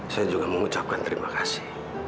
saya juga mengucapkan terima kasih